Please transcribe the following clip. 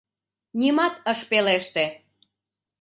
Нимат ыш пелеште.